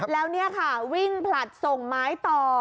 แล้วนี่ค่ะวิ่งผลัดส่งไม้ต่อ